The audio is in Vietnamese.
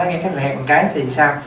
nó nghe cái lời hẹn một cái thì sao